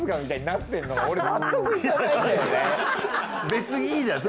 別にいいじゃない。